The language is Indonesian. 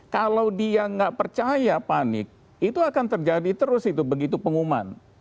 kalau dia nggak percaya panik itu akan terjadi terus itu begitu pengumuman